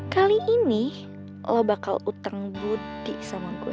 kali ini lo bakal utang budi sama gue